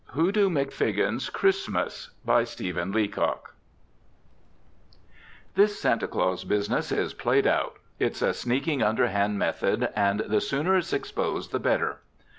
Hoodoo McFiggin's Christmas This Santa Claus business is played out. It's a sneaking, underhand method, and the sooner it's exposed the better.